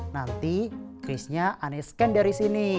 nanti krisnya aneh scan dari sini